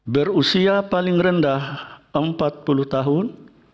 berusia paling rendah empat puluh tahun